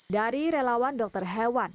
dari relawan dokter hewan